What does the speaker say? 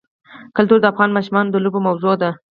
کلتور د افغان ماشومانو د لوبو موضوع ده.